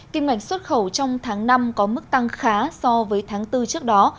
kim ngạch xuất khẩu trong tháng năm có mức tăng khá so với tháng bốn trước đó